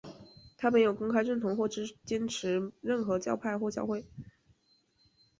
他没有公开认同或坚持任何教派或教会。